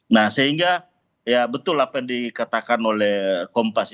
nah sehingga ya betul apa yang dikatakan oleh kompas ya ada pagi ini lainnya